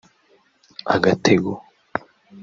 “agatego